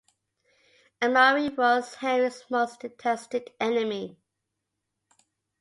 Amaury was Henry's most detested enemy.